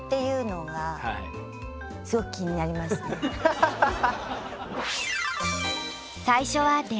ハハハハ！